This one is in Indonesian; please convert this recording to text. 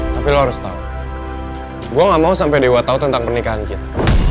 tapi lo harus tahu gue gak mau sampai dewa tahu tentang pernikahan kita